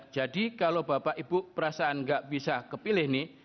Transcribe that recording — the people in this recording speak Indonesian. jadi kalau bapak ibu perasaan tidak bisa kepilih ini